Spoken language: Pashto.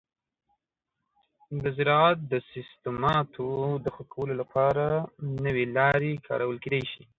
د زراعت د سیستماتو د ښه کولو لپاره نوي لارې کارول کیدی شي.